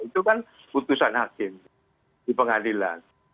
itu kan putusan hakim di pengadilan